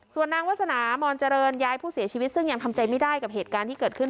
ส่วนนางวาสนามอนเจริญยายผู้เสียชีวิตซึ่งยังทำใจไม่ได้กับเหตุการณ์ที่เกิดขึ้น